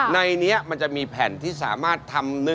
ในนี้มันจะมีแผ่นที่สามารถทำ